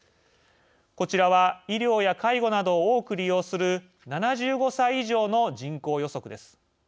こちらは、医療や介護などを多く利用する７５歳以上の人口予測です。